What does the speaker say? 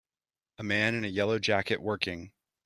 A man in a yellow jacket working.